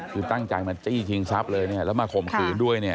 คือตั้งใจมาจี้ทิ้งซับเลยแล้วมาข่มขืนด้วย